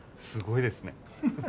すごいですね。